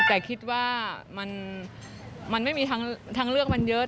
แต่คิดว่ามันไม่มีทางเลือกมันเยอะ